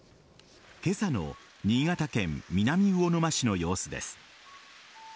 今朝の新潟県南魚沼市の様子です。